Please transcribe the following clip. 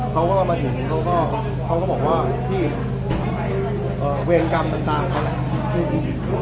เขาก็มาถึงเขาก็เขาก็บอกว่าพี่เวรกรรมต่างเขาแหละ